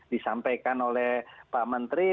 disampaikan oleh pak menteri